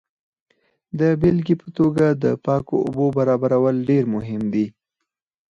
د بیلګې په توګه د پاکو اوبو برابرول ډیر مهم دي.